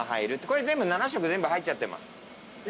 これ７色全部入っちゃってます。